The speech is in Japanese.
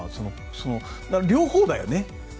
両方だよね。